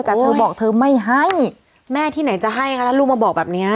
แต่เธอบอกเธอไม่ให้แม่ที่ไหนจะให้คะถ้าลูกมาบอกแบบนี้